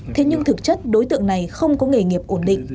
thế nhưng thực chất đối tượng này không có nghề nghiệp ổn định